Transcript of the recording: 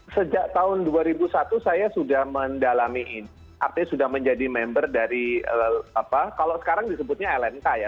sejak tahun dua ribu satu saya sudah mendalami ini artinya sudah menjadi member dari kalau sekarang disebutnya lnk ya